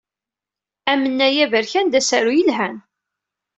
Amnay Aberkan d asaru yelhan.